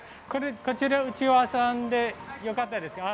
こちらうちわ屋さんでよかったですか？